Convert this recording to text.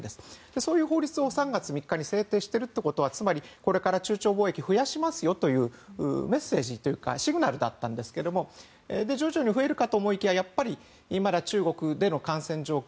そういう法律を３月３日に制定しているということはこれから中朝貿易を増やしますよというメッセージというかシグナルだったんですが徐々に増えるかと思いきやいまだ中国での感染状況